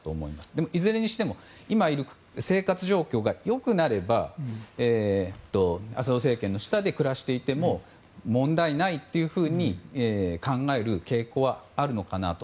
でも、いずれにしても今、生活状況が良くなればアサド政権の下で暮らしていても問題ないというふうに考える傾向はあるのかなと。